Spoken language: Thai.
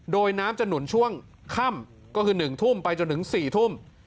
โดยน้ำจะหนุนช่วงค่ำก็คือ๑ทุ่มไปจนถึง๔ทุ่ม